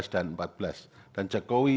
dan ke empat belas dan jokowi